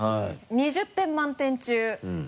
２０点満点中。